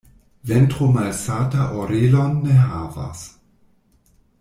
Ventro malsata orelon ne havas.